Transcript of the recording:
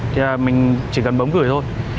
thì mình chỉ cần bấm gửi thôi